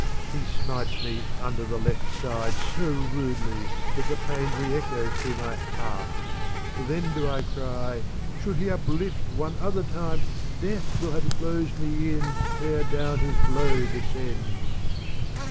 He smites me under the left side So rudely that the pain re echoes through my heart ; then do I cry :' Should he uplift one other time, death \vill have closed me in e'er down his blow descends.'